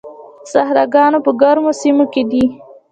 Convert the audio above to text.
صحراګان په ګرمو سیمو کې دي.